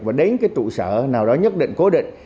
và đến cái trụ sở nào đó nhất định cố định